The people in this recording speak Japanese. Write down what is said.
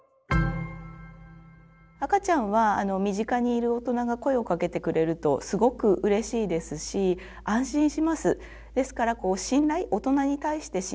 赤ちゃんは身近にいる大人が声をかけてくれるとすごくうれしいですし安心します。